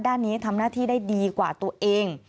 ด้านนี้ทำหน้าที่ได้ดีกว่าตัวเอง